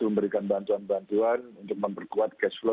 dan memberikan bantuan bantuan untuk memperkuat cash flow